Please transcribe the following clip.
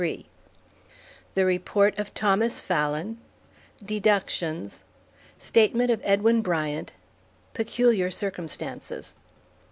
III THE REPORT OF THOMAS FALLON DEDUCTIONS STATEMENT OF EDWIN BRYANT PECULIAR CIRCUMSTANCES.